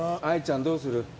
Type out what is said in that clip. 愛ちゃん、どうする？